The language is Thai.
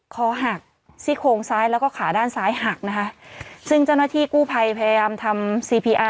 คอหักซี่โครงซ้ายแล้วก็ขาด้านซ้ายหักนะคะซึ่งเจ้าหน้าที่กู้ภัยพยายามทำซีพีอาร์